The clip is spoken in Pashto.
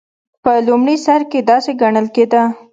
په لومړي سر کې داسې ګڼل کېده.